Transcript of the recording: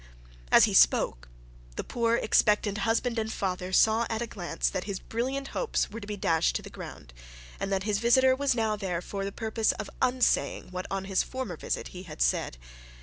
As he spoke, the poor expectant husband and father saw at a glance that his brilliant hopes were to be dashed to the ground, and that his visitor was now there for the purpose of unsaying what on his former visit he had said.